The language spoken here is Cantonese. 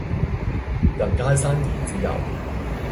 人皆生而自由